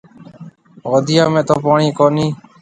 هوديون ۾ تو پوڻِي ڪونهي۔